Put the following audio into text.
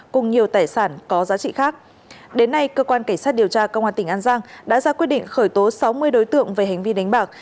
công an tỉnh an giang đã ra quyết định khởi tố sáu mươi đối tượng về hành vi đánh bạc